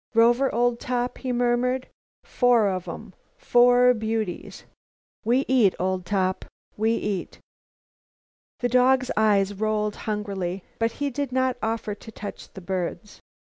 "Rover, old top," he murmured, "four of em; four beauties! We eat, old top! We eat!" The dog's eyes rolled hungrily, but he did not offer to touch the birds.